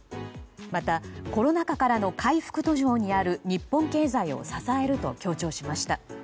また、コロナ禍からの回復途上にある日本経済を支えると強調しました。